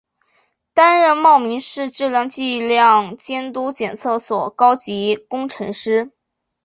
担任茂名市质量计量监督检测所高级工程师。